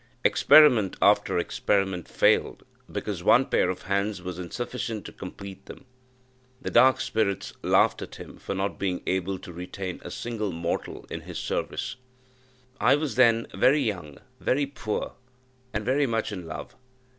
Experiment after experiment failed, because one pair of hands was insufficient to complete them: the dark spirits laughed at him for not being able to retain a single mortal in his service. I was then very young very poor and very much in love.